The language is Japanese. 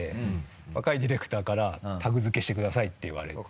若いディレクターからタグ付けしてくださいって言われて。